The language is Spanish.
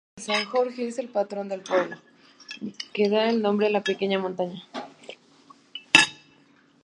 San Jorge es el patrón del pueblo, que da nombre a la pequeña montaña.